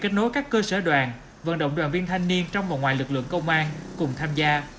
kết nối các cơ sở đoàn vận động đoàn viên thanh niên trong và ngoài lực lượng công an cùng tham gia